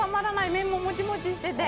麺もモチモチしてて。